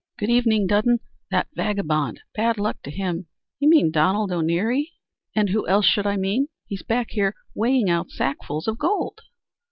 "Good evening, Dudden. That vagabond, bad luck to him " "You mean Donald O'Neary?" "And who else should I mean? He's back here weighing out sackfuls of gold."